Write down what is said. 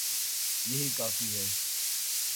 یہی کافی ہے۔